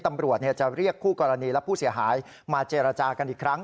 ตำรวจจะเรียกคู่กรณีและผู้เสียหายมาเจรจากันอีกครั้ง